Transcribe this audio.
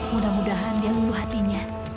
mudah mudahan dia luluh hatinya